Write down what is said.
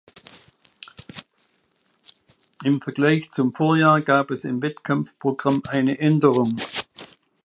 Im Vergleich zum Vorjahr gab es im Wettkampfprogramm eine Änderung.